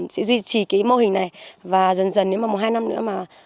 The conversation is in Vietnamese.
sẽ duy trì cái mô hình này và dần dần nếu mà một hai năm nữa mà